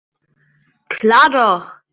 Klar doch.